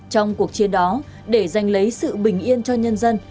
trong cuộc chiến đó để giành lấy sự bình yên cho nhân dân